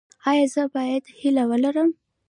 ایا زه باید هیله ولرم؟